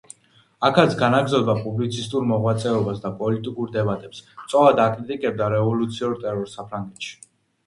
აქაც განაგრძობდა პუბლიცისტურ მოღვაწეობას და პოლიტიკურ დებატებს, მწვავედ აკრიტიკებდა რევოლუციურ ტერორს საფრანგეთში.